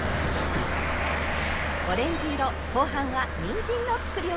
オレンジ色後半はにんじんのつくりおきです。